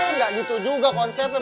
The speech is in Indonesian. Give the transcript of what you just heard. enggak gitu juga konsepnya